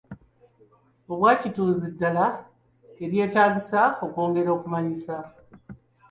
Obwakitunzi ddaala eryeetaagisa okwongera okumanyisa.